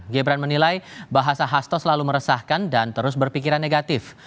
gibran menilai bahasa hasto selalu meresahkan dan terus berpikiran negatif